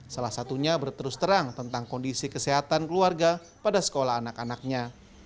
salah satunya berterus terang tentang kondisi kesehatan keluarga pada sekolah anak anaknya